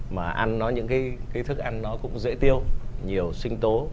mà ăn nó những cái thức ăn nó cũng dễ tiêu nhiều sinh tố